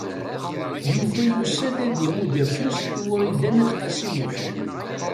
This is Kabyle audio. Yuba yusa-d ad imudd afus i Wrida n At Qasi Muḥ.